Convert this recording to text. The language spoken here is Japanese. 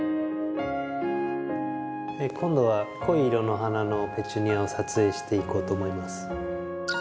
今度は濃い色の花のペチュニアを撮影していこうと思います。